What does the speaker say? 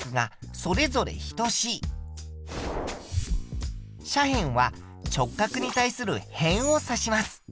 斜辺は直角に対する辺を指します。